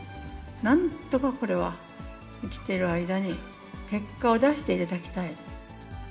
なんとかこれは生きている間に結果を出していただきたい。